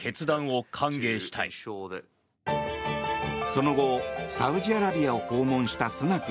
その後、サウジアラビアを訪問したスナク